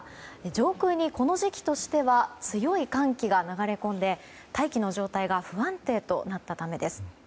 上空にこの時期としては強い寒気が流れ込んで大気の状態が不安定となったためです。